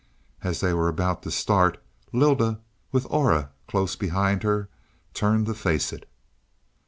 As they were about to start, Lylda, with Aura close behind her, turned to face it.